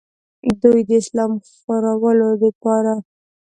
دوي د اسلام خورولو دپاره